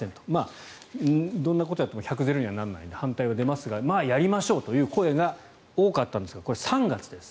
どんなことをやっても百ゼロにはならないので反対は出ますがまあ、やりましょうという声が多かったんですがこれは３月です。